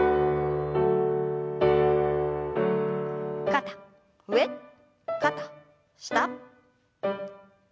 肩上肩下。